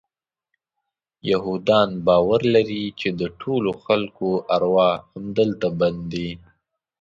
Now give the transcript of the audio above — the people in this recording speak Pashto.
یهودان باور لري چې د ټولو خلکو ارواح همدلته بند دي.